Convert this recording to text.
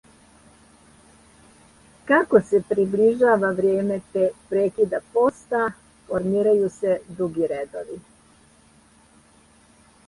Како се приближава вријеме прекида поста, формирају се дуги редови.